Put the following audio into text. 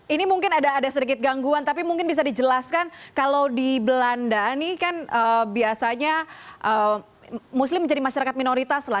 ini mungkin ada sedikit gangguan tapi mungkin bisa dijelaskan kalau di belanda ini kan biasanya muslim menjadi masyarakat minoritas lah